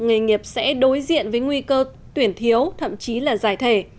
nghề nghiệp sẽ đối diện với nguy cơ tuyển thiếu thậm chí là giải thể